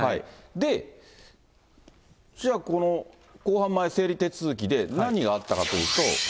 で、じゃあこの公判前整理手続きで何があったかというと。